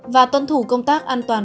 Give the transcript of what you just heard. và tuân thủ công tác an toàn